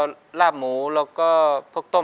ต้นไม้ประจำจังหวัดระยองการครับ